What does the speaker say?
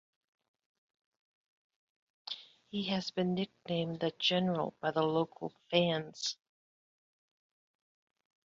He has been nicknamed "The General" by the local fans.